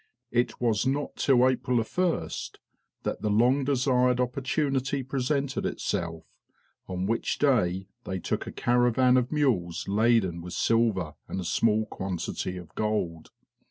It was not till April 1st, that the long desired opportunity presented itself, on which day they took a caravan of mules laden with silver and a small quantity of gold.